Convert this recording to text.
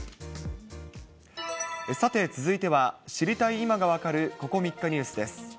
さて続いては、知りたい今が分かるここ３日ニュースです。